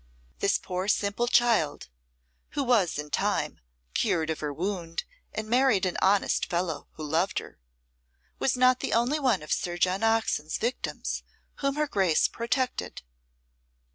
This poor simple child (who was in time cured of her wound and married an honest fellow who loved her) was not the only one of Sir John Oxon's victims whom her Grace protected.